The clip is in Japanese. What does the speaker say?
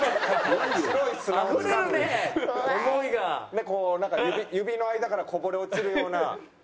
でこうなんか指の間からこぼれ落ちるような。